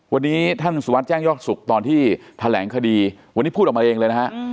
วันนี้ท่านสุวัสดิแจ้งยอดสุขตอนที่แถลงคดีวันนี้พูดออกมาเองเลยนะฮะ